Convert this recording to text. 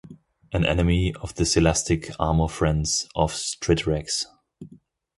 An enemy of the Silastic Armourfiends of Striterax.